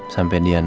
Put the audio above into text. sampai dia nangis